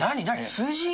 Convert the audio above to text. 数字？